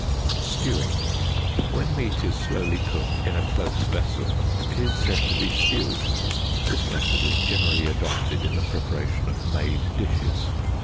Stewing. ŌĆö When meat is slowly cooked in a close vessel it is said to be stewed; this method is generally adopted in the preparation of made dishes.